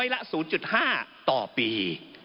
๑๐๐ละ๐๕ต่อปี